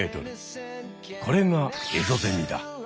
これがエゾゼミだ！